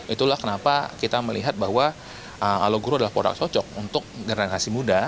itulah kenapa kita melihat bahwa alogue adalah produk cocok untuk generasi muda